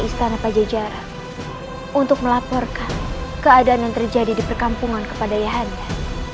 istana pajajara untuk melaporkan keadaan yang terjadi di perkampungan kepada ya handa